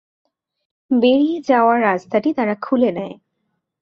বেরিয়ে যাওয়ার রাস্তাটি তারা খুলে নেয়।